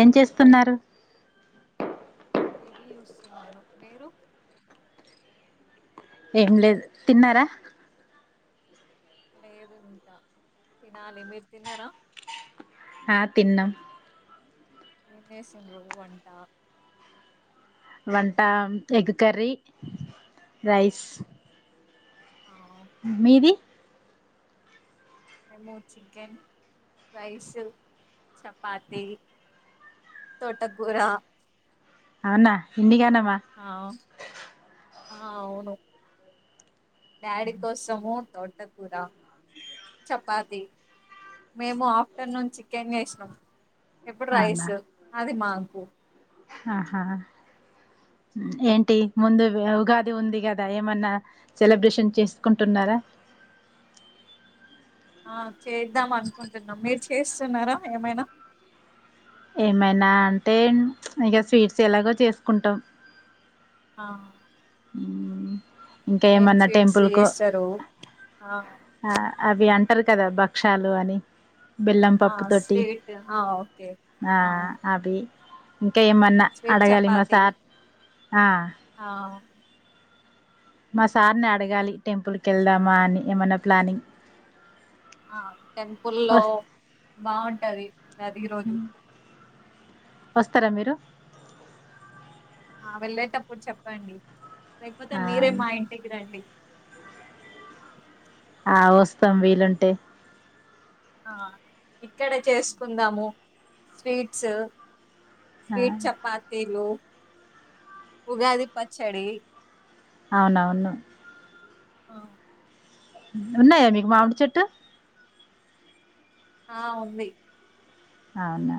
ఏం చేస్తున్నారు టీవీ చూస్తున్నాను మీరు ఏం లేదు తిన్నారా లేదు ఇంకా తినాలి మీరు తిన్నారా ఆ తిన్నాం ఏం చేసిండ్రు వంట వంట ఎగ్ కర్రీ, ఆ రైస్ ఆ మీది మేము చికెన్ రైస్, చపాతి తోటకూర అవునా ఇన్ని గాన ఆ ఆ అవును డాడీ కోసము తోటకూర చపాతి మేము ఆఫ్టర్నూన్ చికెన్ చేసినాం ఇప్పుడు అవునా రైస్ అది మాకు ఆహా ఏంటి ముందు ఉగాది ఉంది కదా ఏమన్నా సెలబ్రేషన్ చేసుకుంటున్నా రా ఆ చేద్దాం అనుకుంటున్నాం మీరు చేస్తున్నారా ఏమైనా ఏమైనా అంటే ఇక స్వీట్స్ ఎలాగో చేసుకుంటాం ఆ మ్, ఇంకా ఏం ఏమన్నా స్వీట్స్ టెంపుల్ కు చేస్తారు ఆ అవి అంటే టారు కదా భక్షాలు అని బెల్లం ఆ పప్పు తోటి స్వీట్ ఆ ఓకే ఆ అవి ఇంకా ఏమన్నా స్వీట్ అడగాలి మ చపాతి సార్ ఆ ఆ మా సార్ని అడగాలి టెంపుల్కి వెళ్దామా అని ఏమన్నా ప్లానింగ్ ఆ టెంపుల్లో వస్ బాగుంటది అది ఈరోజు వస్తారా మీరు ఆ వెళ్ళేటప్పుడు చెప్పండి లేకపోతే ఆ మీరే మా ఇంటికి రండి ఆ వస్తాం వీలుంటే ఆ ఇక్కడ చేసుకుందాము స్వీట్స్ ఆ స్వీట్, చపాతీలు, ఉగాది పచ్చడి అవునవును అ ఉన్నాయా మీకు మామిడి చెట్టు ఆ ఉంది అవునా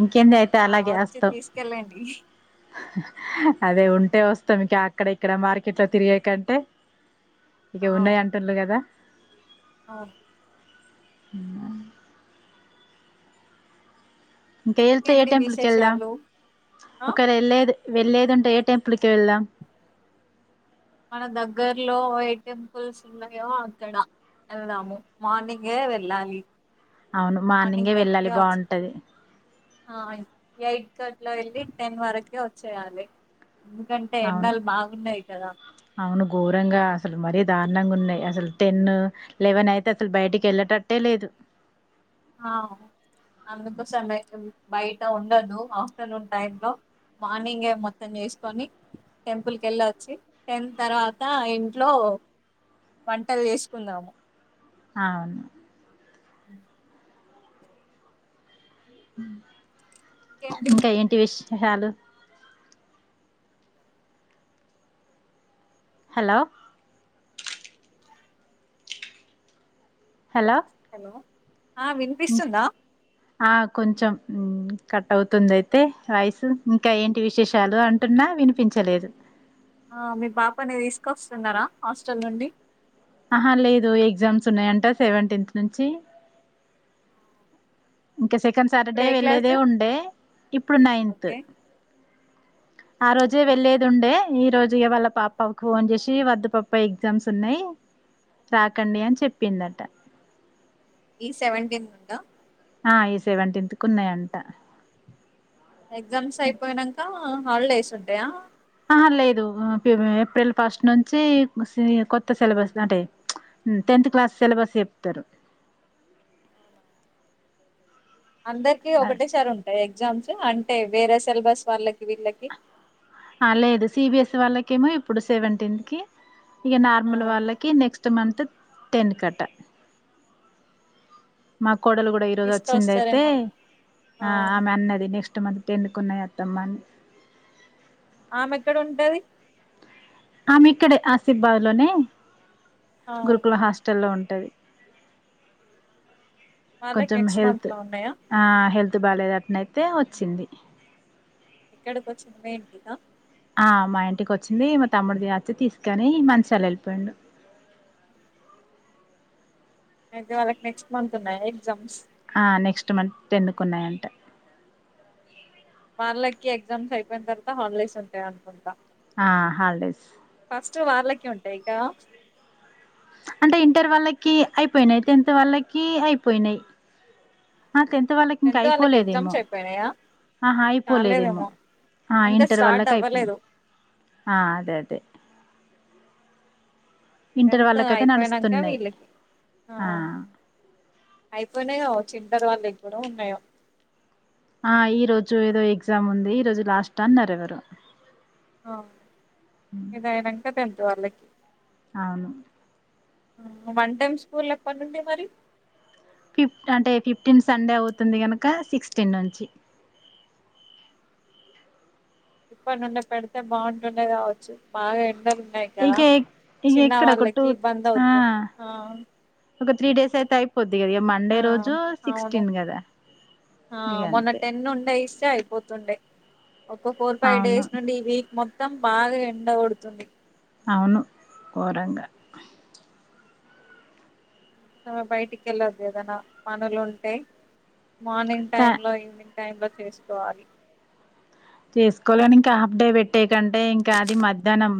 ఇంకేంది అయితే ఆ అలాగే వచ్చి వస్తా తీసుకెళ్ళండి అదే ఉంటే వస్తాం ఇంకా అక్కడ ఇక్కడ మార్కెట్ లో తిరిగే కంటే ఇక ఆ ఉన్నాయి అంటుండు కదా అవును ఊ ఇంకా వెళ్తే ఏ ఇంకేంటి టెంపుల్కి వెళ్దాం విశేషాలు ఆ ఒకరు ఎల్లేది వెళ్లేదుంటే ఏ టెంపుల్ కి వెళ్దాం మన దగ్గర్లో ఎ టెంపుల్స్ ఉన్నాయో అక్కడ వెళ్దాము మార్నింగే వెళ్ళాలి అవును మార్నింగ్ మార్నింగే వెళ్ళాలి వెళ్ళి వచ్చి బాగుంటది ఆ ఎయిట్ గట్ల వెళ్ళి టెన్ వరకే వచ్చేయాలి ఎందుకంటే అవును ఎండలు బాగున్నాయి కదా అవును ఘోరంగా అసలు మరీ దారుణంగుంన్నయి. అసలు టెన్, లెవెన్ అయితే అసలు బయటికెళ్ళేటట్టే లేదు. ఆ అందుకోసమే బయట ఉండోద్దు ఆఫ్టర్నూన్ టైం లో మార్నింగే మొత్తం జేసుకొని టెంపుల్ కెళ్ళొచ్చి టెన్ తర్వాత ఇంట్లో ఒ వంటల్ జేసుకుందాము. అవును అ ఇంకేంటి ఇంక ఏంటి విష్ హెషాలు హలో హలో ఆ ఇం- వినిపిస్తుందా? ఆ కొంచెం కట్ ఉమ్ కట్ అవుతుందయితే వాయిస్ ఇంకా ఏంటి విశేషాలు అంటున్నా వినిపించలేదు ఆ మీ పాపని తీసుకొస్తున్నారా హాస్టల్ నుండి? ఆహా లేదు ఎగ్జామ్స్ ఉన్నయంట సెవెన్టీన్త్ నుంచి ఇంక సెకండ్ ఇప్పుడు సాటర్డే ఏ వెళ్ళేదే క్లాసు ఉండే, ఇప్పుడు నైన్త్ ఓకే ఆ రోజే వెళ్లేదుండే ఈ రోజు ఇగ వాళ్ళ పాప్పకు ఫోన్ జేసి వద్దు పప్ప ఎగ్జామ్స్ ఉన్నయి. రాకండి అని చెప్పిందట ఈ సెవెంటీన్ నుండా ఆ ఈ సెవెంటీన్త్ కు ఉన్నయంట ఎగ్జామ్స్ అయిపోయినంకా హాలిడేస్ ఉంటయా? ఆహ లేదు ఉమ్ ఏప్రిల్ ఫస్ట్ నుంచి ఇ కొత్త సిలబస్ అంటే టెన్త్ క్లాస్ సెలబస్ చెప్తరు అందరికి ఒకటేసారుంటయా ఎగ్జామ్స్, అంటే వేరే సెలబస్ వాళ్ళకి వీళ్ళకి ఆ లేదు సీ బి ఎస్ వాళ్ళకేమో ఇప్పుడు సెవెంటీన్త్ కి ఇగ ఆ నార్మల్ వాళ్ళకి నెక్స్ట్ మంత్ టెన్ కటా మా కోడలు గూడ ఈరోజు అచ్చింది అయితే తీసుకొస్తారేమో ఆ ఆమె అన్నది నెక్స్ట్ క్స్ట్ మంత్ టెన్ కున్నయత్తమ్మ అంది ఆమెక్కడ ఉంటది ఆమిక్కడే ఆసిఫ్బాద్ లోనే ఆ గురుకుల హాస్టల్ లో ఉంట్ టది వాళ్ళకి కొంచెం నెక్స్ట్ మంత్ హెల్త్ లో ఉన్నాయా ఆ హెల్త్ త్ బాలేదట్నైతే వచ్చింది ఎక్కడికొచ్చిన్ది మీ ఇంటికా? ఆ మా ఇంటికొచ్చింది మా తమ్ముడిది అచ్చి తీసుకోని మంచిర్యాల్ ఎళ్ళిపోయిండు. అ [inaudible] అయితే వాళ్ళకి నెక్స్ట్ మంత్ ఉన్నయ ఎగ్జామ్స్? ఆ నెక్స్ట్ మంత్ టెన్నుకున్నయంట వాళ్ళకి ఎగ్జామ్స్ అయిపోయిన్తర్వత హాలిడేస్ ఉంటాయనుకుంటా. ఆ హాలిడేస్ స్ట్ వాళ్ళకే ఉంటయి గదా అంటే ఇంటర్ వాళ్ళకి అయిపోయినయి, టెన్త్ వాళ్ళకి అయిపోయినయి. ఆ టెన్త్ వాళ్ళకి ఇంక టెన్త్ వాళ్ళకి అయిపోలేదేమో, ఎగ్జామ్స్ అయిపోయినాయా ఆహా అయిపోలేదేమో కాలేదేమో ఆ ఇంకా ఇంటర్ స్టార్ట్ వాళ్ళకి అయిపోయింది అవ్వలేదు ఆ అదే అదే ఇంటర్ టెన్త్ వాళ్ళకైతే అయిపోయినంక నడుస్తున్నాయి వీళ్ళకి ఆ అయిపోయినయ్ గావచ్చు ఇంటర్ వాళ్ళగ్గుడా ఉన్నయో ఆ ఈ రోజు ఏదో ఎగ్జామ్ ఉంది, ఈ రోజు లాస్ట్ అన్నరెవరో. ఆ ఇదయినంక టెన్త్ వాళ్ళకి అవును ఆ వన్ టైమ్ స్కూల్ ఎప్పడ్నుండి మరి ఫిఫ్ అంటే ఫిఫ్టీన్ సండే అవుతుంది గనకా సిక్స్టీన్ నుంచి ఇప్పటి నుండి పెడితే బాగుంటుండ కావచ్చు బాగా ఎండలు ఉన్నాయి కదా ఇక ఇక చిన్న ఎక్కడ ఒక టూ వాళ్ళకి ఇబ్బంది ఆ అవుతు ఆ ఒక త్రీ డేస్ అయితే అయిపోద్ది కదా ఇక మండే ఆ రోజు అవును సిక్స్టీన్ కదా ఆ ఇక మొన్న అంతే టెన్ ఉండే ఇస్తే అయిపోతుండే ఒక ఫోర్ ఫైవ్ అవును డేస్ నుండి ఈ వీక్ మొత్తం బాగా ఎండ పడుతుంది అవును ఘోరంగా బయటికి వెళ్ళొద్దు ఏదనా పనులు ఉంటే మార్నింగ్ కా టైమ్ లో ఈవినింగ్ టై చేసికోవాలి చేసుకోవాలని ఇంకా హాఫ్ డే పెట్టే కంటే ఇంకా అది మధ్యాహ్నం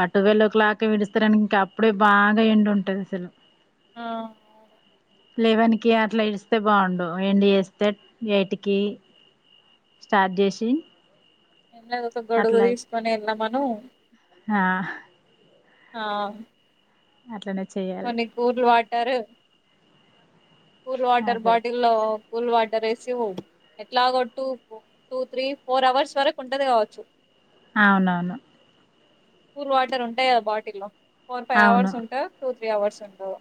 పట్టువల్ ఓ క్లాక్ స్తడానికి ఇంకా అప్పుడే బాగా ఎండు ఉంటది అసలు ఆ లేవనికి అట్లా ఇడిస్తే బాగుండు ఎం చేస్తే వేటికి స్టార్ట్ చేసి ఎన్న ఒక గొడుగు అట్లా తీసుకొని వెళ్ళా మన ఆ ఆ అట్లానే మనీ కూూల్ వాటరు కూల్ వాటర్ అదే అదే బాటిల్లో కూల్ వాటర్ వేసి హో ఎట్లాగ టటు టూ త్రీ ఫోర్ అవర్స్ వరకు ఉంటది కావచ్చు అవునవును కూల్ వాటర్ ఉంటాయి కదా బాటిల్లో ఫోర్ ఫైవ్ అవును అవర్స్ ఉంటా టూ త్రీ అవర్స్ ఉంటావు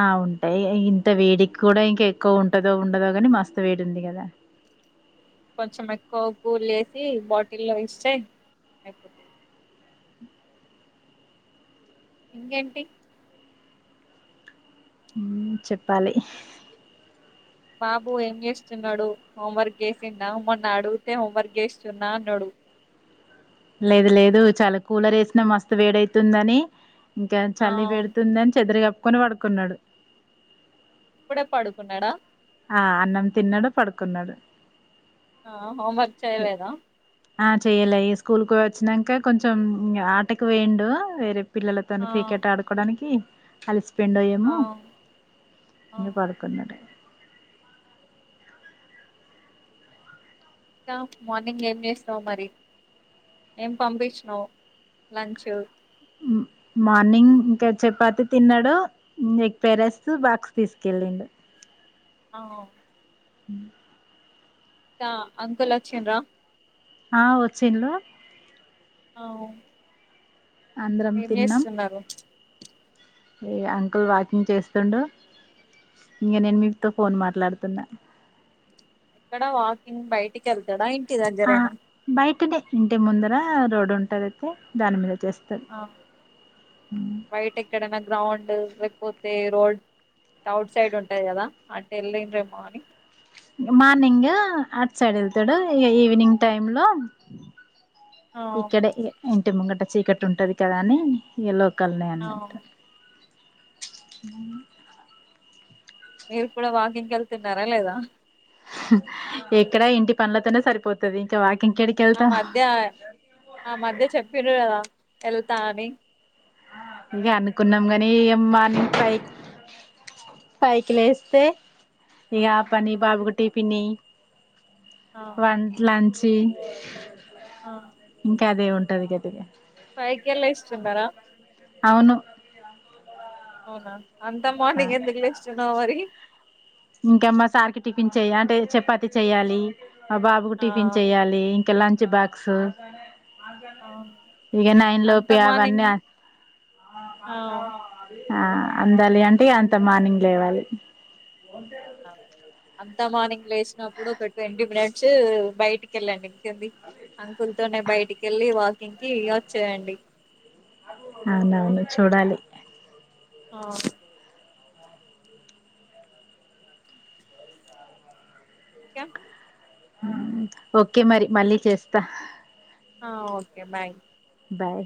ఆ ఉంటాయి ఇంత వేడికి కూడా ఇంకా ఎక్కువ ఉంటదో ఉండదో కాని మస్తు వేడి ఉంది కదా కొంచెం ఎక్కువ కూ లేేసి బాటిల్లో ఇస్తే అయిపోతుంది ఇంగేంటి చెప్పాలి బాబు ఏం చేస్తున్నాడు హోంవర్క్ చేసింద మొన్న అడిగితే హోంవర్క్ చేస్తున్నా అన్నాడు లేదు లేదు చాలా కూలర్ వేసినా మస్తు వేడైతుందని ఇంకా ఆ చల్లి పెడుతుంది అని చెదుర కప్పుకొని పడుకున్నాడు ఇప్పుడే పాడుకున్నాడా ఆ అన్నం తిన్నాడు పడుకున్నాడు ఆ హోంవర్క్ చేయలేదా ఆ చెయ్యలే స్కూల్ కు వచ్చినాక కొంచెం ఆటకు వేండు వేరే పిల్లలతో ఆ క్రికెట్ ఆడుకోవడానికి కలిసి పిండోయమ ఆ ఆ ఇ పడుకున్నడ ఇంకా మార్నింగ్ ఏం చేస్తావు మరి ఏేం పంపించినవు లంచ్ ఆ మార్నింగ్ ఇంకా చపాతి తిన్నాడు ఎక్ పేరేస్త బాక్స్ తీసుకెళ్ళిండు అ హ ా అంగల్ అక్ష్యన్్రా ఆ వచ్చింలు ఆ అందరం ఏం తిన్నాం చేస్తున్నారు ఈ అంకుల్ వాకింగ్ చేస్తుండు ఇంకా నేను మీతో ఫోన్ మాట్లాడుతున్నా ఎక్కడ వాకింగ్ బయటికి వెళ్తాడా ఇ ఆ బయటనే ఇంటి ముందర రోడ్డు ఉంటదిగా దాని మీద చేస్త ఆ బయట ఎక్కడనా గ్రౌండ్ డ్ లేకపోతే రోడ్ అవుట్ సైడ్ ఉంటాయి కదా అంటే వెళ్లిండ్రేమో అని మార్నింగ్ అటు సైడ్ ఎళ్తాడు ఇగ ఈవినింగ్ టైమ్ లో ఆ ఇక్కడే ఇగ ఇంటి ముంగట చీకటి ఉంటది కదా అని ఎలో కల్నే ఆ అన్నటు మీరు కూడా వాకింగ్ కేళ్తున్నారా లేదా ఎక్కడా ఇంటి పనులతోనే సరిపోతది ఇంకా వాకి ఆ మధ్య ఆ మధ్య చెప్పిండ్రు కదా ఎళ్తా అని ఇగ అనుకున్నాం గని మార్నింగ్ ఫై ఫైవ్ కి లేేస్తే ఇగ ఆ పని ఈ బాబుకి టిపిని ఆ వంట్ లం చ్చి ఆ ఇంకా అదే ఉంటది గదిగా ఫైవ్ కే లేస్తుంటారా అవును అవునా అంత మార్నింగ్ ఎందుకు లేస్తున్నావ్ మరి ఇంకా మా సార్‌కి టిఫిన్ చెయ్యా అంటే చపాతి చెయ్యాలి మా బాబుకి ఆ టిఫిన్ చెయ్యాలి ఇంక లంచ్ బాక్సు అవును ఇగ నైన్ అంత లోపే అవన్నీ మార్నింగ్ అవ్ ఆ అందాలి అంటే అంత మార్నింగ్ లేవాలి అంతా మార్నింగ్ లేసినప్పుడు ఒక ట్వంటీ మినిట్స్ బయటికెళ్ళండి కేళ్ళి అంకుల్ తోనే బయటికేళ్ళి వాకింగ్ కి ఇగ వచ్చేయండి అవునవును చూడాలి ఆ ఇంకా మ్మ్ ఓకే మరి మళ్ళీ చేస్తా ఆ ఓకే బాయ్ బాయ్